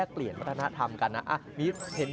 มีลาบด้วยเหรอ